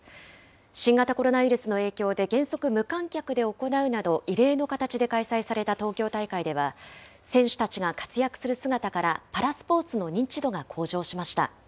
新型コロナウイルスの影響で原則無観客で行うなど、異例の形で開催された東京大会では、選手たちが活躍する姿から、パラスポーツの認知度が向上しました。